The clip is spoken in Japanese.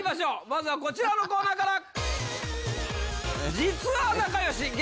まずはこちらのコーナーから！